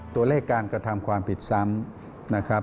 ตัวเลขการกระทำความผิดซ้ำ